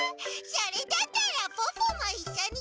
それだったらポッポもいっしょにやりたい！